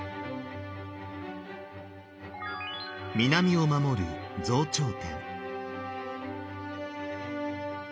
南を守る増長天。